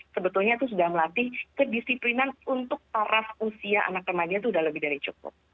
sebetulnya itu sudah melatih kedisiplinan untuk taraf usia anak remaja itu sudah lebih dari cukup